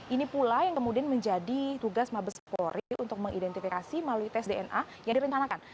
ini pula yang kemudian menjadi tugas mabespori untuk mengidentifikasi melalui tes dna yang direncanakan